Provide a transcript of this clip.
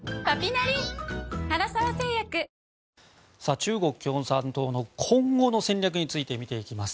中国共産党の今後の戦略について見ていきます。